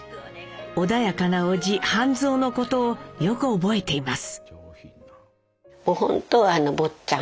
穏やかなおじ畔三のことをよく覚えています。